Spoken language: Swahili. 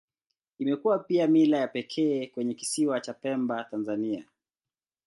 Imekuwa pia mila ya pekee kwenye Kisiwa cha Pemba, Tanzania.